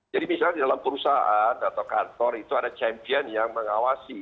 jadi misalnya di dalam perusahaan atau kantor itu ada champion yang mengawasi